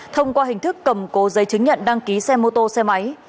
thông qua hình thức cầm cố giấy chứng nhận đăng ký xe mô tô xe máy